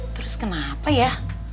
terus kenapa ya